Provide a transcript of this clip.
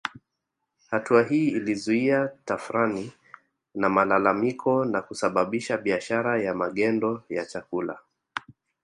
Hatua hii ilizua tafrani na malalamiko na kusababisha biashara ya magendo ya chakula